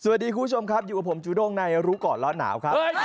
สวัสดีคุณผู้ชมครับอยู่กับผมจูด้งในรู้ก่อนร้อนหนาวครับ